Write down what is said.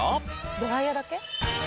「ドライヤーだけ？」